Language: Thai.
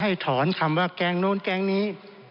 ถอนคำว่าแก๊งโน้นแก๊งนี้